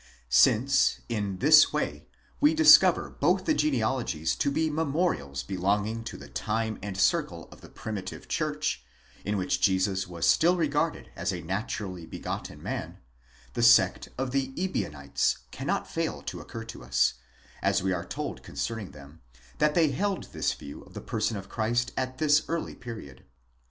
Since, in this way, we discover both the genealogies to be memorials be longing to the time and circle of the primitive church, in which Jesus was still regarded as a naturally begotten man, the sect of the Ebionites cannot fail to occur to us ; as we are told concerning them, that they held this view of the person of Christ at this early period.